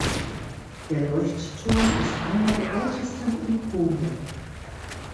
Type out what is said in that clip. Der Leuchtturm ist einer der ältesten in Polen.